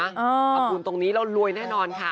ขอบคุณตรงนี้เรารวยแน่นอนค่ะ